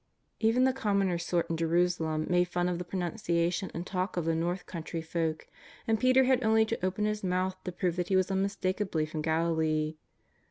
Even the commoner sort in Jerusalem made fun of the pronunciation and talk of the north country folk, and Peter had only to open his mouth to prove that he was unmistakably from Galilee.